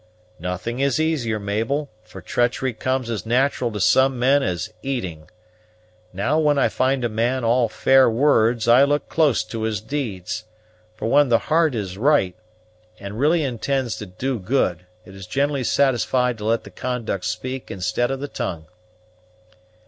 "Nothing is easier, Mabel, for treachery comes as nat'ral to some men as eating. Now when I find a man all fair words I look close to his deeds; for when the heart is right, and really intends to do good, it is generally satisfied to let the conduct speak instead of the tongue."